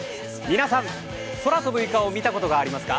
皆さん、空飛ぶイカを見たことがありますか。